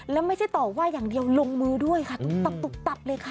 แล้วไม่ใช่ต่อว่าอย่างเดียวลงมือด้วยค่ะตุ๊บตับตุ๊บตับเลยค่ะ